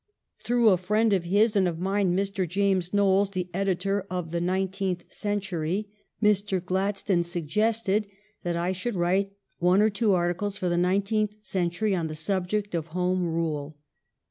Through a ifriend of his and of mine, Mr. James Knowles, the editor of the " Nineteenth 358 HOME RULE 359 Century," Mr. Gladstone suggested that I should write one or two articles for the " Ninteenth Century " on the subject of Home Rule.